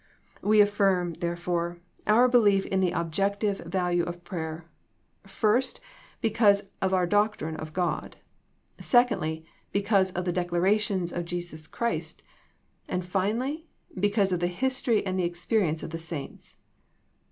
We affirm therefore, our belief in the ob jective value of prayer, first because of our doc trine of God ; secondly because of the declara tions of Jesus Christ, and finally because of the history and the experience of the saints.